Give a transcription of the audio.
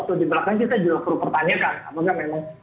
apakah ada sesuatu di belakang kita juga perlu pertanyakan